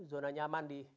zona nyaman di